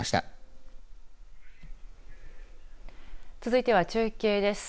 続いては中継です。